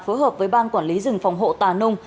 phối hợp với ban quản lý rừng phòng hộ tà nung